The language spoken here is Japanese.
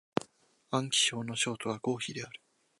安徽省の省都は合肥である